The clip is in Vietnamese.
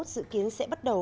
dự kiến sẽ bắt đầu